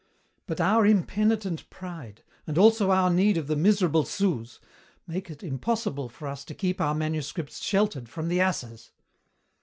"But our impenitent pride and also our need of the miserable sous make it impossible for us to keep our manuscripts sheltered from the asses.